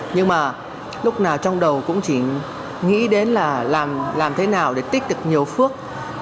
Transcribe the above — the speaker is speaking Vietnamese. nhưng mà lúc nào trong đầu cũng chỉ nghĩ đến là làm thế nào để tích được nhiều phước